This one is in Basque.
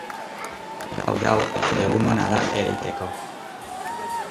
Gaur, egun ona da ereiteko.